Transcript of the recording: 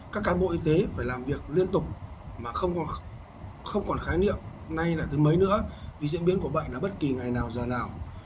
các cán bộ y tế phải làm việc liên tục mà không còn khái niệm nay là thứ mấy nữa vì diễn biến của bệnh là bất kỳ ngày nào giờ nào